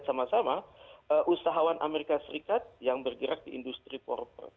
kemana kemudian ini akan berujung pak